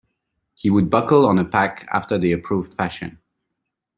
He would buckle on a pack after the approved fashion.